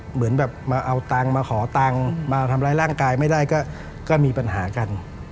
เหมือนแบบมาเอาตังค์มาขอตังค์มาทำร้ายร่างกายไม่ได้ก็มีปัญหากัน